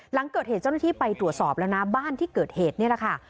หลังเกิดเหตุเจ้าหน้าที่ไปตรวจสอบแล้วนะบ้านที่เกิดเหตุนี่แหละค่ะ